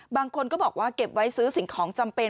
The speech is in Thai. บางคนก็บอกว่าเก็บไว้ซื้อสิ่งของจำเป็น